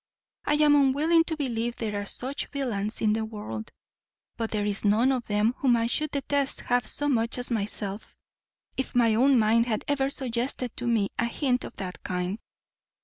I am unwilling to believe there are such villains in the world; but there is none of them whom I should detest half so much as myself, if my own mind had ever suggested to me a hint of that kind.